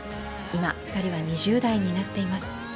今、２人は２０代になっています。